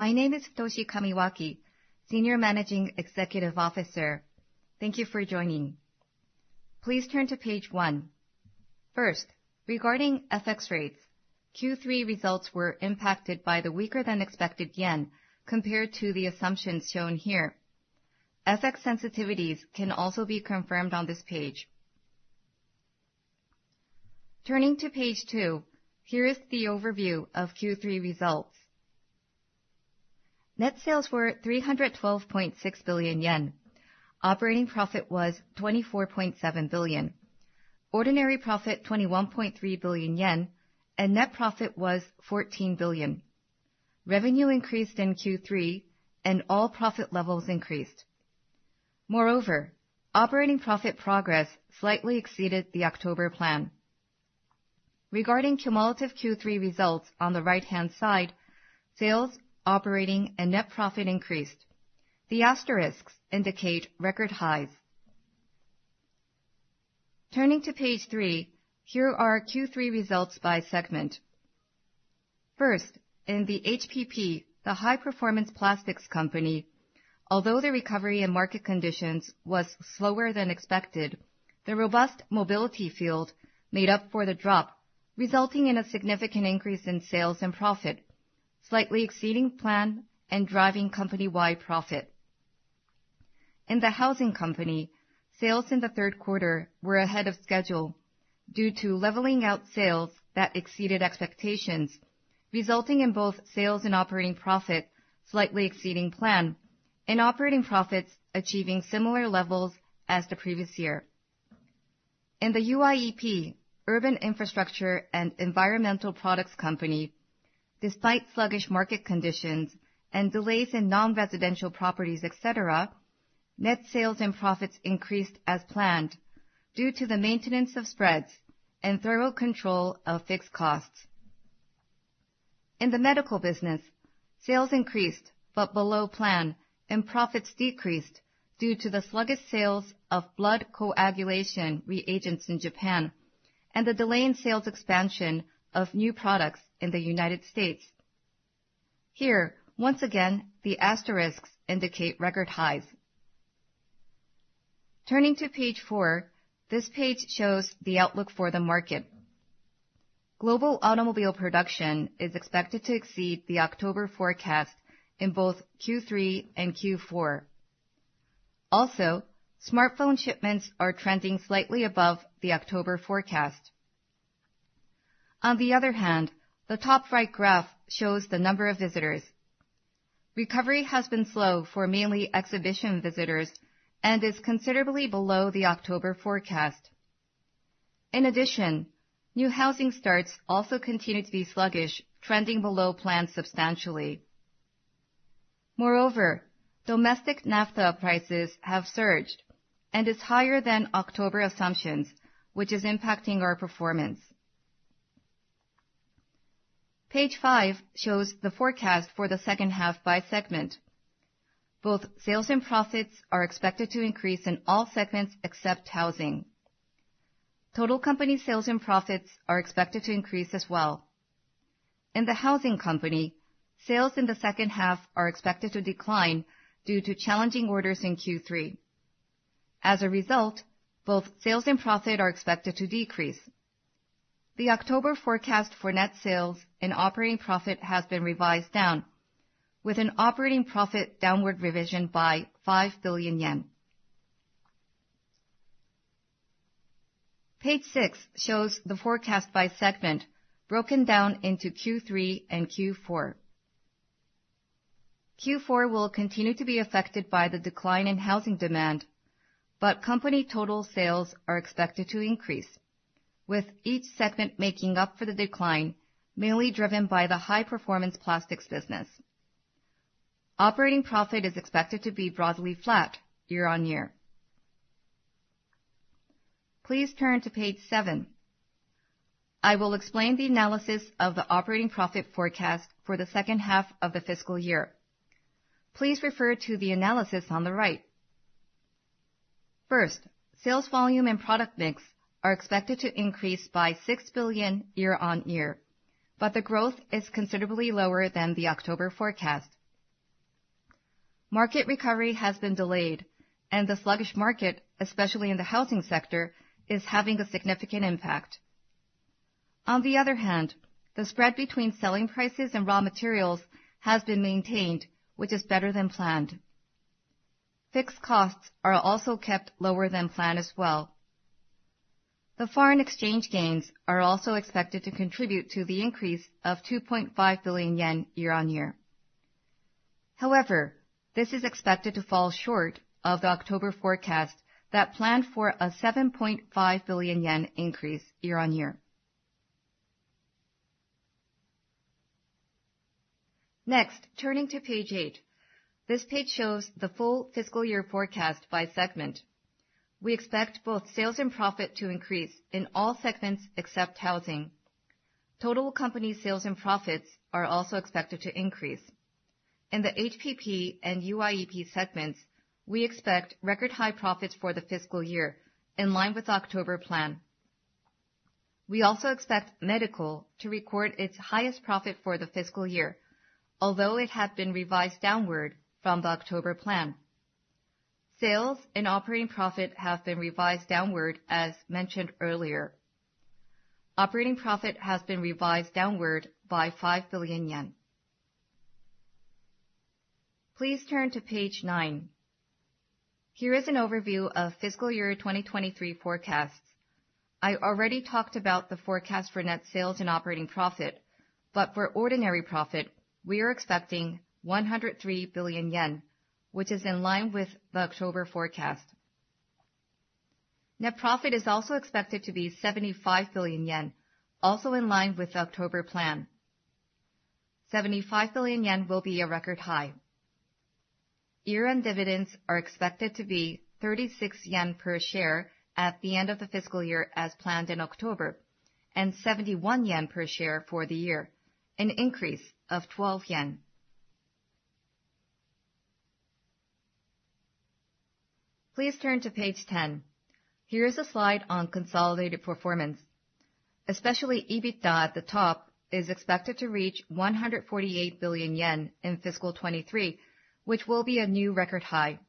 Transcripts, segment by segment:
My name is Futoshi Kamiwaki, Senior Managing Executive Officer. Thank you for joining. Please turn to page one. First, regarding FX rates, Q3 results were impacted by the weaker-than-expected yen compared to the assumptions shown here. FX sensitivities can also be confirmed on this page. Turning to page two, here is the overview of Q3 results. Net sales were 312.6 billion yen. Operating profit was 24.7 billion. Ordinary profit, 21.3 billion yen, and net profit was 14 billion. Revenue increased in Q3, and all profit levels increased. Moreover, operating profit progress slightly exceeded the October plan. Regarding cumulative Q3 results on the right-hand side, sales, operating, and net profit increased. The asterisks indicate record highs. Turning to page three, here are our Q3 results by segment. First, in the HPP, the High Performance Plastics Company, although the recovery in market conditions was slower than expected, the robust mobility field made up for the drop, resulting in a significant increase in sales and profit, slightly exceeding plan and driving company-wide profit. In the Housing Company, sales in the third quarter were ahead of schedule due to leveling out sales that exceeded expectations, resulting in both sales and operating profit slightly exceeding plan and operating profits achieving similar levels as the previous year. In the UIEP, Urban Infrastructure and Environmental Products Company, despite sluggish market conditions and delays in non-residential properties, et cetera, net sales and profits increased as planned due to the maintenance of spreads and thorough control of fixed costs. In the medical business, sales increased, but below plan, and profits decreased due to the sluggish sales of blood coagulation reagents in Japan, and the delay in sales expansion of new products in the United States. Here, once again, the asterisks indicate record highs. Turning to page four, this page shows the outlook for the market. Global automobile production is expected to exceed the October forecast in both Q3 and Q4. Also, smartphone shipments are trending slightly above the October forecast. On the other hand, the top right graph shows the number of visitors. Recovery has been slow for mainly exhibition visitors and is considerably below the October forecast. In addition, new housing starts also continue to be sluggish, trending below plan substantially. Moreover, domestic naphtha prices have surged and is higher than October assumptions, which is impacting our performance. Page five shows the forecast for the second half by segment. Both sales and profits are expected to increase in all segments except Housing. Total company sales and profits are expected to increase as well. In the Housing Company, sales in the second half are expected to decline due to challenging orders in Q3. As a result, both sales and profit are expected to decrease. The October forecast for net sales and operating profit has been revised down, with an operating profit downward revision by 5 billion yen. Page six shows the forecast by segment, broken down into Q3 and Q4. Q4 will continue to be affected by the decline in Housing demand, but company total sales are expected to increase, with each segment making up for the decline, mainly driven by the High Performance Plastics business. Operating profit is expected to be broadly flat year-on-year. Please turn to page seven. I will explain the analysis of the operating profit forecast for the second half of the fiscal year. Please refer to the analysis on the right. First, sales volume and product mix are expected to increase by 6 billion year-on-year, but the growth is considerably lower than the October forecast. Market recovery has been delayed, and the sluggish market, especially in the housing sector, is having a significant impact. On the other hand, the spread between selling prices and raw materials has been maintained, which is better than planned. Fixed costs are also kept lower than planned as well. The foreign exchange gains are also expected to contribute to the increase of 2.5 billion yen year-on-year. However, this is expected to fall short of the October forecast that planned for a 7.5 billion yen increase year-on-year. Next, turning to page 8. This page shows the full fiscal year forecast by segment. We expect both sales and profit to increase in all segments except housing. Total company sales and profits are also expected to increase. In the HPP and UIEP segments, we expect record high profits for the fiscal year, in line with October plan. We also expect medical to record its highest profit for the fiscal year, although it had been revised downward from the October plan. Sales and operating profit have been revised downward, as mentioned earlier. Operating profit has been revised downward by 5 billion yen. Please turn to page 9. Here is an overview of fiscal year 2023 forecasts. I already talked about the forecast for net sales and operating profit, but for ordinary profit, we are expecting 103 billion yen, which is in line with the October forecast. Net profit is also expected to be 75 billion yen, also in line with the October plan. 75 billion yen will be a record high. Year-end dividends are expected to be 36 yen per share at the end of the fiscal year, as planned in October, and 71 yen per share for the year, an increase of 12 yen. Please turn to page 10. Here is a slide on consolidated performance. Especially, EBITDA at the top is expected to reach 148 billion yen in fiscal 2023, which will be a new record high.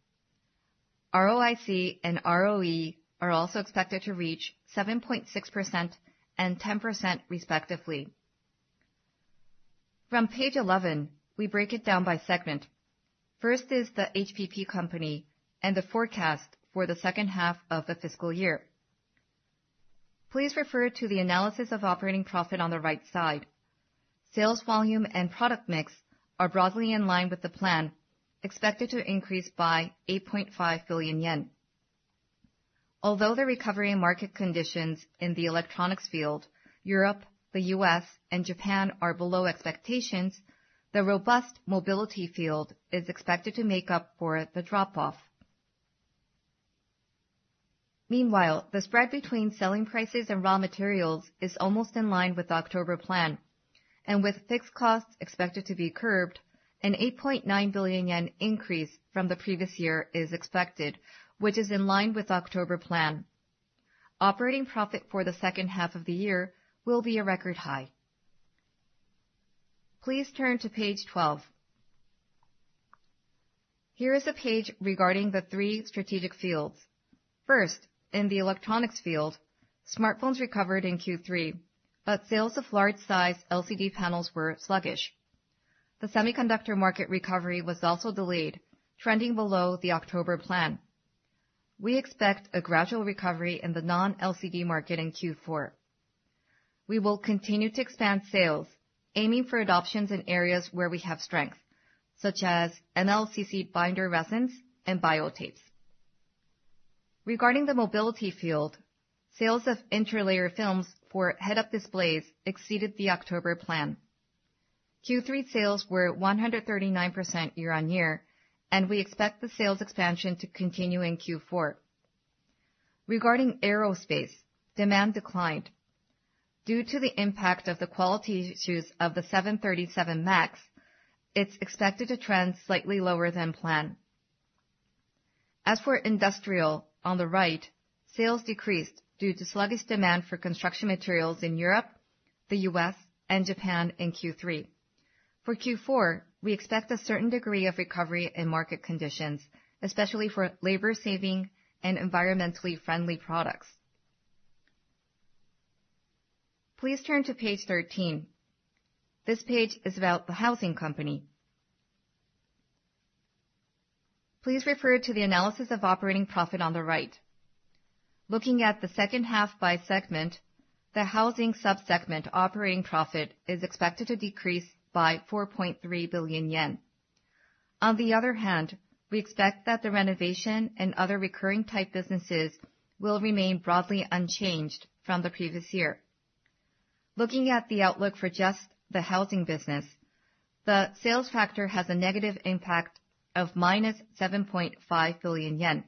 ROIC and ROE are also expected to reach 7.6% and 10%, respectively. From page 11, we break it down by segment. First is the HPP company and the forecast for the second half of the fiscal year. Please refer to the analysis of operating profit on the right side. Sales volume and product mix are broadly in line with the plan, expected to increase by 8.5 billion yen. Although the recovery in market conditions in the electronics field, Europe, the U.S., and Japan are below expectations, the robust mobility field is expected to make up for the drop-off. Meanwhile, the spread between selling prices and raw materials is almost in line with the October plan, and with fixed costs expected to be curbed, a 8.9 billion yen increase from the previous year is expected, which is in line with October plan. Operating profit for the second half of the year will be a record high. Please turn to page 12. Here is a page regarding the three strategic fields. First, in the electronics field, smartphones recovered in Q3, but sales of large size LCD panels were sluggish. The semiconductor market recovery was also delayed, trending below the October plan. We expect a gradual recovery in the non-LCD market in Q4. We will continue to expand sales, aiming for adoptions in areas where we have strength, such as MLCC binder resins and bio tapes. Regarding the mobility field, sales of interlayer films for head-up displays exceeded the October plan. Q3 sales were 139% year-on-year, and we expect the sales expansion to continue in Q4. Regarding aerospace, demand declined. Due to the impact of the quality issues of the 737 MAX, it's expected to trend slightly lower than plan. As for industrial, on the right, sales decreased due to sluggish demand for construction materials in Europe, the U.S., and Japan in Q3. For Q4, we expect a certain degree of recovery in market conditions, especially for labor-saving and environmentally friendly products. Please turn to page 13. This page is about the housing company. Please refer to the analysis of operating profit on the right. Looking at the second half by segment, the housing sub-segment operating profit is expected to decrease by 4.3 billion yen. On the other hand, we expect that the renovation and other recurring type businesses will remain broadly unchanged from the previous year. Looking at the outlook for just the housing business, the sales factor has a negative impact of -7.5 billion yen.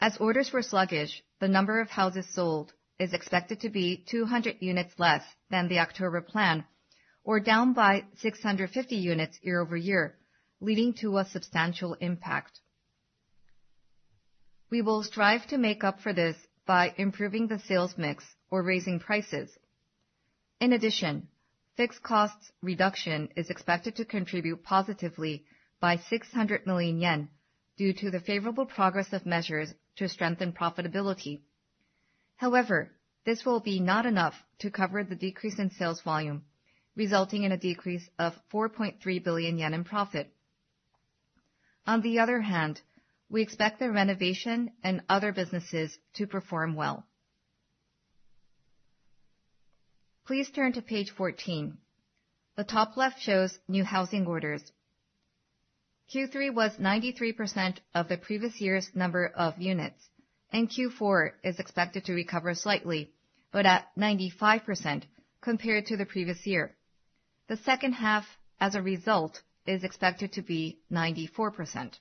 As orders were sluggish, the number of houses sold is expected to be 200 units less than the October plan, or down by 650 units year-over-year, leading to a substantial impact. We will strive to make up for this by improving the sales mix or raising prices. In addition, fixed costs reduction is expected to contribute positively by 600 million yen due to the favorable progress of measures to strengthen profitability. However, this will be not enough to cover the decrease in sales volume, resulting in a decrease of 4.3 billion yen in profit. On the other hand, we expect the renovation and other businesses to perform well. Please turn to page 14. The top left shows new housing orders. Q3 was 93% of the previous year's number of units, and Q4 is expected to recover slightly, but at 95% compared to the previous year. The second half, as a result, is expected to be 94%.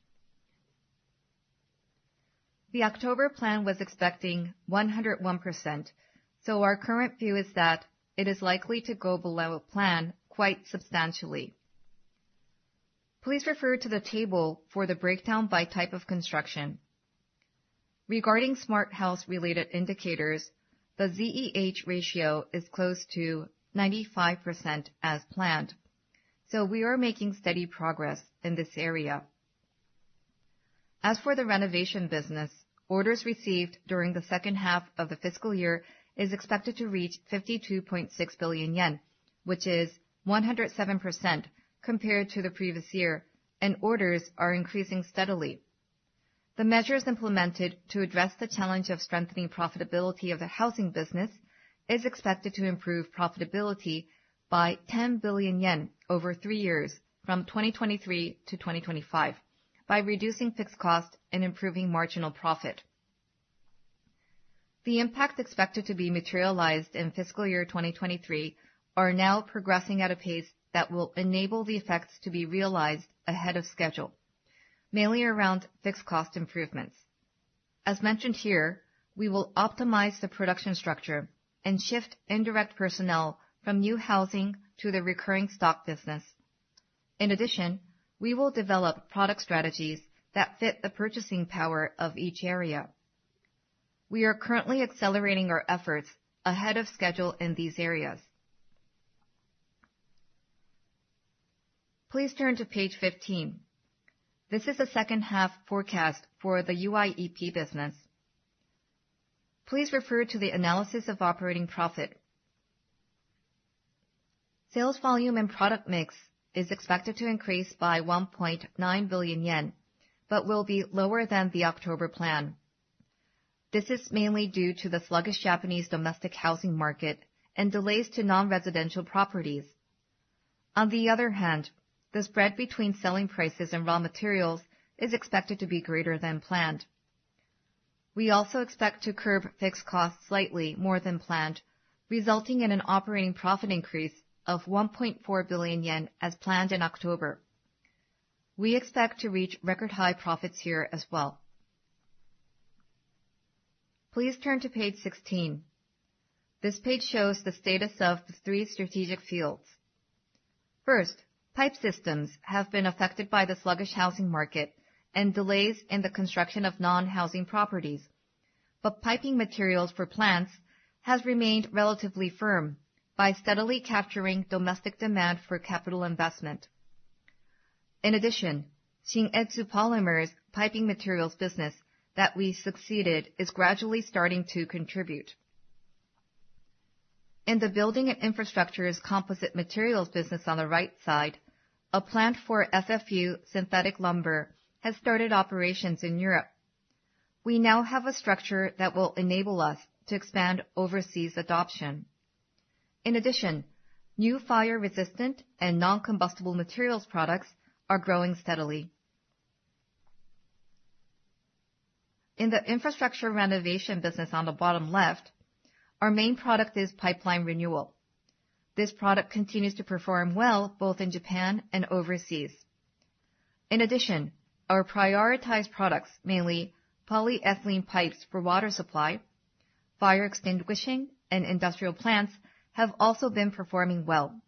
The October plan was expecting 101%, so our current view is that it is likely to go below plan quite substantially. Please refer to the table for the breakdown by type of construction. Regarding smart house-related indicators, the ZEH ratio is close to 95% as planned, so we are making steady progress in this area. As for the renovation business, orders received during the second half of the fiscal year is expected to reach 52.6 billion yen, which is 107% compared to the previous year, and orders are increasing steadily. The measures implemented to address the challenge of strengthening profitability of the housing business is expected to improve profitability by 10 billion yen over three years, from 2023 to 2025, by reducing fixed costs and improving marginal profit. The impact expected to be materialized in fiscal year 2023 are now progressing at a pace that will enable the effects to be realized ahead of schedule, mainly around fixed cost improvements. As mentioned here, we will optimize the production structure and shift indirect personnel from new housing to the recurring stock business. In addition, we will develop product strategies that fit the purchasing power of each area. We are currently accelerating our efforts ahead of schedule in these areas. Please turn to page 15. This is the second half forecast for the UIEP business. Please refer to the analysis of operating profit. Sales volume and product mix is expected to increase by 1.9 billion yen, but will be lower than the October plan. This is mainly due to the sluggish Japanese domestic housing market and delays to non-residential properties. On the other hand, the spread between selling prices and raw materials is expected to be greater than planned. We also expect to curb fixed costs slightly more than planned, resulting in an operating profit increase of 1.4 billion yen, as planned in October. We expect to reach record high profits here as well. Please turn to page 16. This page shows the status of the three strategic fields. First, pipe systems have been affected by the sluggish housing market and delays in the construction of non-housing properties, but piping materials for plants has remained relatively firm by steadily capturing domestic demand for capital investment. In addition, Shin-Etsu Polymer piping materials business that we succeeded is gradually starting to contribute. In the building and infrastructure composite materials business on the right side, a plant for FFU synthetic lumber has started operations in Europe. We now have a structure that will enable us to expand overseas adoption. In addition, new fire-resistant and non-combustible materials products are growing steadily. In the infrastructure renovation business on the bottom left, our main product is pipeline renewal. This product continues to perform well both in Japan and overseas. In addition, our prioritized products, mainly polyethylene pipes for water supply, fire extinguishing, and industrial plants, have also been performing well.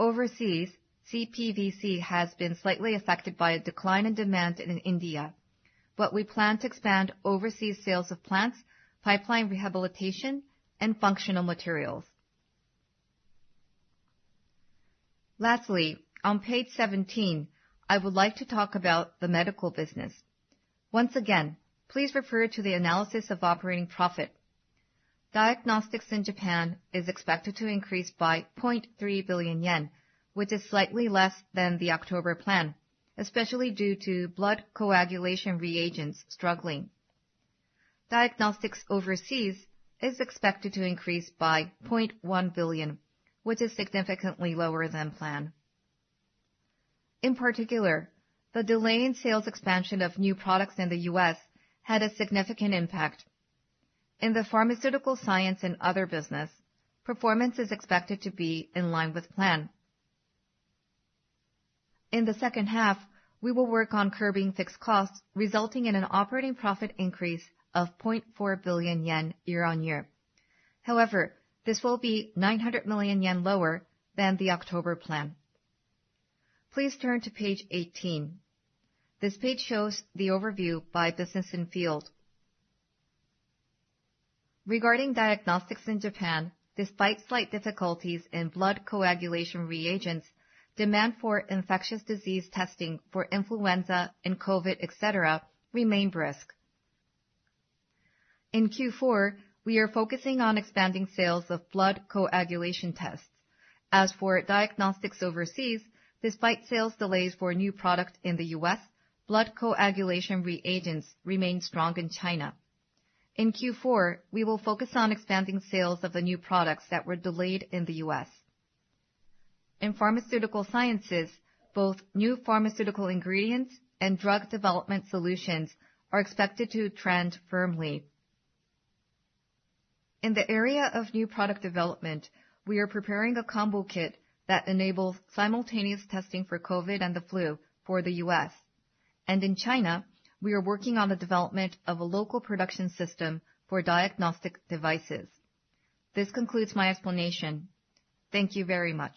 Overseas, CPVC has been slightly affected by a decline in demand in India, but we plan to expand overseas sales of plants, pipeline rehabilitation, and functional materials. Lastly, on page 17, I would like to talk about the medical business. Once again, please refer to the analysis of operating profit. Diagnostics in Japan is expected to increase by 0.3 billion yen, which is slightly less than the October plan, especially due to blood coagulation reagents struggling. Diagnostics overseas is expected to increase by 0.1 billion, which is significantly lower than plan. In particular, the delay in sales expansion of new products in the U.S. had a significant impact. In the Pharmaceutical Science and other business, performance is expected to be in line with plan. In the second half, we will work on curbing fixed costs, resulting in an operating profit increase of 0.4 billion yen year-on-year. However, this will be 900 million yen lower than the October plan. Please turn to page 18. This page shows the overview by business and field. Regarding diagnostics in Japan, despite slight difficulties in blood coagulation reagents, demand for infectious disease testing for influenza and COVID, et cetera, remained brisk. In Q4, we are focusing on expanding sales of blood coagulation tests. As for diagnostics overseas, despite sales delays for a new product in the U.S., blood coagulation reagents remain strong in China. In Q4, we will focus on expanding sales of the new products that were delayed in the U.S. In Pharmaceutical Sciences, both new pharmaceutical ingredients and drug development solutions are expected to trend firmly. In the area of new product development, we are preparing a combo kit that enables simultaneous testing for COVID and the flu for the U.S. In China, we are working on the development of a local production system for diagnostic devices. This concludes my explanation. Thank you very much.